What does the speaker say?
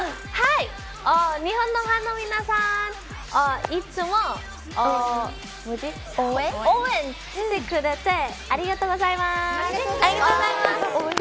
日本のファンの皆さんいつも応援してくれてありがとうございます。